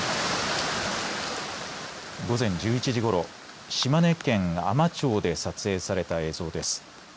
午前１１時ごろ、島根県海士町で撮影された映像です。